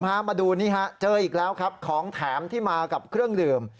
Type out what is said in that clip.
มาดูนี่ฮะเจออีกแล้วครับของแถมที่มากับเครื่องดื่ม